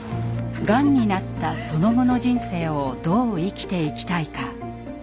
がんになったその後の人生をどう生きていきたいか。